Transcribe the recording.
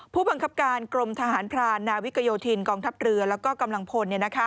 ผู้บังคับการกรมทหารพรานนาวิกโยธินกองทัพเรือแล้วก็กำลังพล